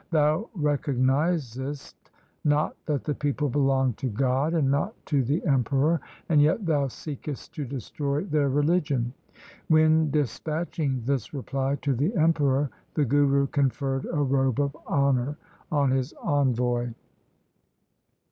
Thou recognizest not that the people belong to God and not to the emperor, and yet thou seekest to destroy their religion.' When dispatching this reply to the emperor the Guru conferred a robe of honour on his envoy.